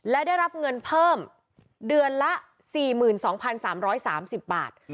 และได้รับเงินเพิ่มเดือนละ๔๒๓๓๐บาท